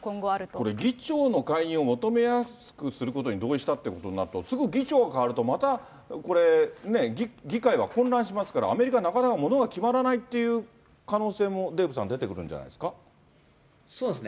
これ、議長の解任を求めやすくするために同意したということになると、すぐ議長が代わると、またこれね、議会は混乱しますから、アメリカ、なかなかものが決まらないっていう可能性も、デーブさん、そうですね。